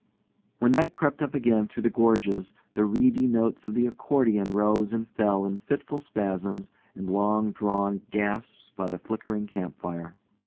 When night crept up again through the gorges, the reedy notes of the accordion rose and fell in fitful spasms and long drawn gasps by the flickering campfire.